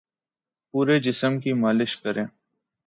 پورے جسم کی مالش کریں